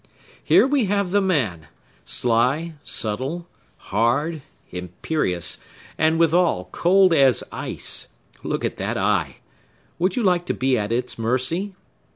Here we have the man, sly, subtle, hard, imperious, and, withal, cold as ice. Look at that eye! Would you like to be at its mercy?